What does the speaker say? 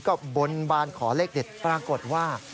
ก็บนบานขอเลขเด็ดปรากฏว่า